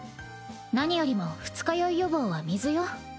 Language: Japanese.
何よりも二日酔い予防は水よ。